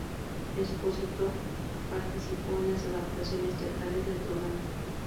Espósito participó en las adaptaciones teatrales del programa.